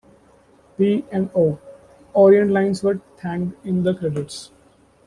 P and O - Orient Lines were thanked in the credits.